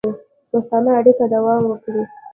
دوستانه اړیکې دوام وکړي.